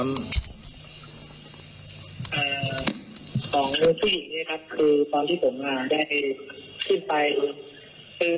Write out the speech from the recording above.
ของผู้หญิงเนี่ยครับคือตอนที่ผมอ่าได้ขึ้นไปคือ